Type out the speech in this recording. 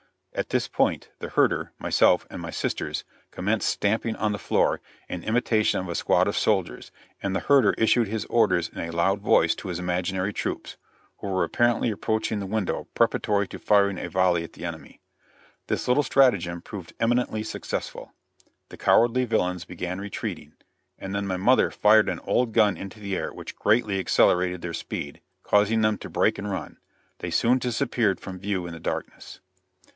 At this, point the herder, myself and my sisters commenced stamping on the floor in imitation of a squad of soldiers, and the herder issued his orders in a loud voice to his imaginary troops, who were apparently approaching the window preparatory to firing a volley at the enemy. This little stratagem proved eminently successful. The cowardly villains began retreating, and then my mother fired an old gun into the air which greatly accelerated their speed, causing them to break and run. They soon disappeared from view in the darkness.